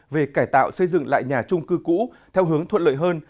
về cải tạo xây dựng lại nhà trung cư cũ theo hướng thuận lợi hơn